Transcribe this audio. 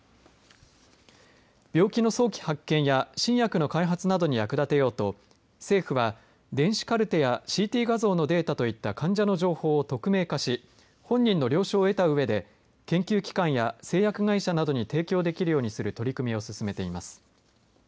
病気の早期発見や新薬の開発などに役立てようと政府は電子カルテやＣＴ画像のデータといった患者の情報を匿名化し本人の了承を得たうえで研究機関や製薬会社などに提供できるようにする取り組みを進めています。